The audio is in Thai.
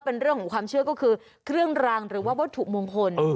เป็นเรื่องของความเชื่อก็คือเครื่องรางหรือว่าวัตถุมงคล